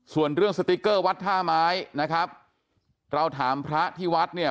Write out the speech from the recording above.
ส่วนเรื่องสติ๊กเกอร์วัดท่าไม้นะครับเราถามพระที่วัดเนี่ย